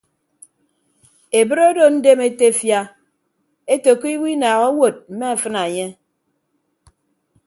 Ebre odo ndem etefia ete ke owo inaaha owod mme afịna enye.